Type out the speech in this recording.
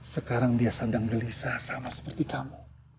sekarang dia sedang gelisah sama seperti kamu